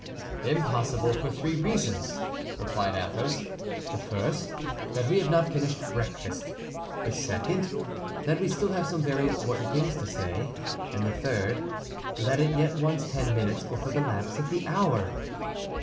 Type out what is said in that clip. "Impossible, for three reasons," replied Athos. "The first, that we have not finished breakfast; the second, that we still have some very important things to say; and the third, that it yet wants ten minutes before the lapse of the hour."